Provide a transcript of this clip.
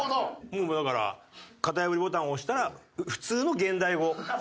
もうだから型破りボタンを押したら普通の現代語。